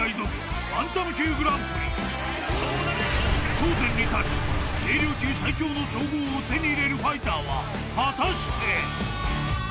［頂点に立ち軽量級最強の称号を手に入れるファイターは果たして⁉］